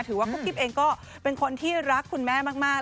ว่ากุ๊กกิ๊บเองก็เป็นคนที่รักคุณแม่มาก